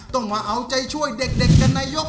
ต้องมาเอาใจช่วยเด็กกันนายก